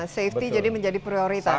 safety jadi menjadi prioritas